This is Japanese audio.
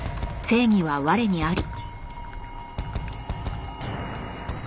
正義は我にあり。